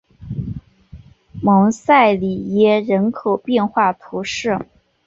蒙塞里耶人口变化图示